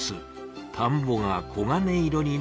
田んぼが黄金色になりました。